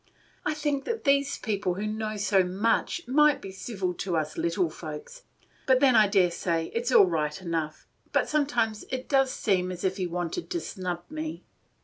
I think that these people that know so much might be civil to us little folks, but then I dare say it 's all right enough; but sometimes it does seem as if he wanted to snub me.